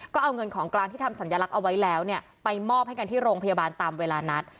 ก็เอาเงินของกลางที่ทำสัญลักษณ์เอาไว้แล้วเนี่ยไปมอบให้กันที่โรงพยาบาลตามเวลานัด